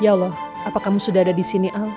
ya allah apa kamu sudah ada di sini al